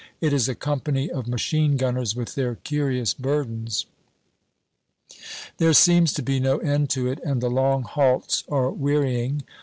It is a company of machine gunners with their curious burdens. There seems to be no end to it, and the long halts are wearying.